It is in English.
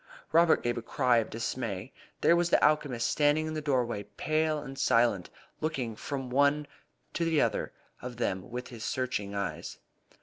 Robert gave a cry of dismay. There was the alchemist standing in the doorway, pale and silent, looking from one to the other of them with his searching eyes.